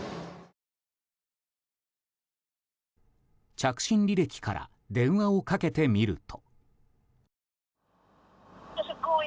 着信履歴から電話をかけてみると。